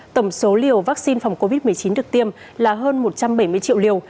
tổng số liều vaccine phòng covid một mươi chín được tiêm là hơn một trăm bảy mươi triệu liều